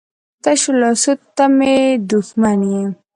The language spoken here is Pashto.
تشه لاسو ته مې دښمن یې.